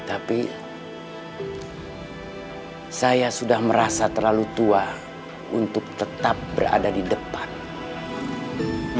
anda berubah tapi siapa yang merek conducting